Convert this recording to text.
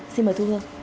xin mời thu hương